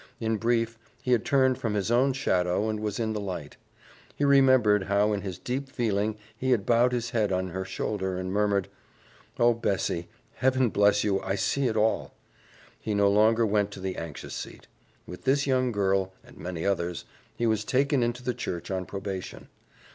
In brief, he had turned from his own shadow and was in the light. He remembered how in his deep feeling he had bowed his head on her shoulder and murmured, "Oh, Bessie, Heaven bless you! I see it all." He no longer went to the anxious seat. With this young girl, and many others, he was taken into the church on probation.